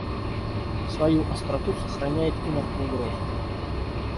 Свою остроту сохраняет и наркоугроза.